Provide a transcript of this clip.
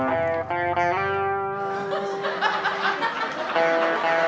tolong ada yang mau melahirkan